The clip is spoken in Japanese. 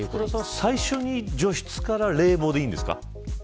最初に除湿から冷房でいいんですか。